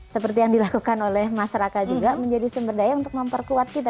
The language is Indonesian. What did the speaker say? seperti yang dilakukan oleh masyarakat juga menjadi sumber daya untuk memperkuat kita